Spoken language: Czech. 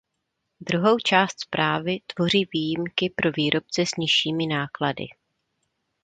Druhou část zprávy tvoří výjimky pro výrobce s nižšími náklady.